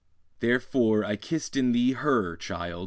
Therefore I kissed in thee Her, child!